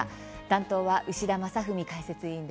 担当は牛田正史解説委員です。